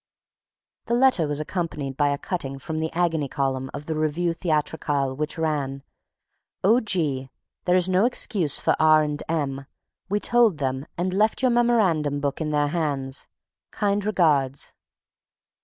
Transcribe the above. The letter was accompanied by a cutting from the agony column of the Revue Theatrale, which ran: O. G. There is no excuse for R. and M. We told them and left your memorandum book in their hands. Kind regards.